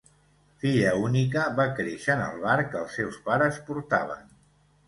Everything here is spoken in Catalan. Filla única, va créixer en el bar que els seus pares portaven.